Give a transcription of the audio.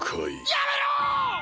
やめろ！